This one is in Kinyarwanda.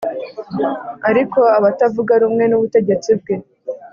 Ariko abatavuga rumwe n’ubutegetsi bwe